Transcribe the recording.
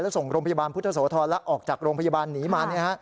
และส่งโรงพยาบาลพุทธโสธรแล้วออกจากโรงพยาบาลหนีมา